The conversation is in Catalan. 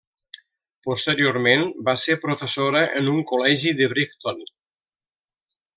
Posteriorment, va ser professora en un col·legi de Brighton.